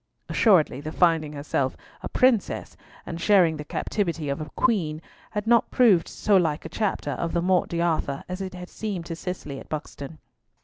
Assuredly the finding herself a princess, and sharing the captivity of a queen, had not proved so like a chapter of the Morte d'Arthur as it had seemed to Cicely at Buxton.